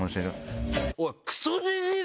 おい。